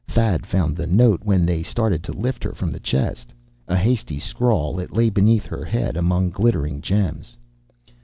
Thad found the note when they started to lift her from the chest. A hasty scrawl, it lay beneath her head, among glittering gems.